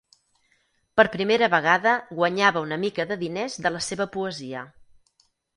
Per primera vegada guanyava una mica de diners de la seva poesia.